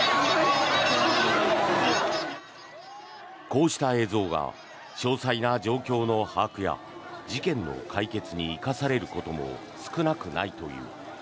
こうした映像が詳細な状況の把握や事件の解決に生かされることも少なくないという。